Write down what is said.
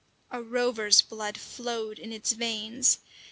A rover's blood flowed in its veins.